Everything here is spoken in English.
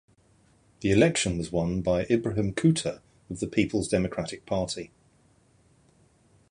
The election was won by Ibrahim Kuta of the Peoples Democratic Party.